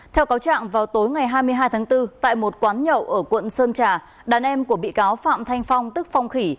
theo cáo trạng vào tối ngày hai mươi hai tháng bốn tại một quán nhậu ở quận sơn trà đàn em của bị cáo phạm thanh phong tức phong khỉ